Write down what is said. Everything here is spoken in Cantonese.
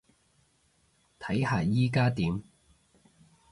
睇下依加點